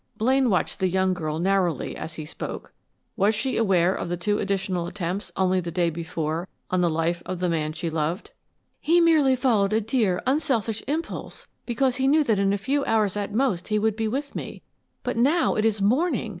Blaine watched the young girl narrowly as he spoke. Was she aware of the two additional attempts only the day before on the life of the man she loved? "He merely followed a dear, unselfish impulse because he knew that in a few hours at most he would be with me; but now it is morning!